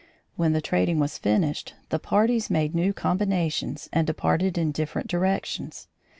When the trading was finished, the parties made new combinations and departed in different directions.